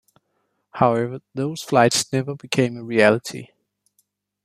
However, those flights never became a reality.